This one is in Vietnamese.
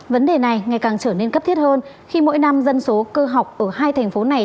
vấn đề này ngày càng trở nên cấp thiết hơn khi mỗi năm dân số cơ học ở hai thành phố này